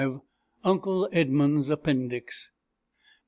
UNCLE EDMUND'S APPENDIX.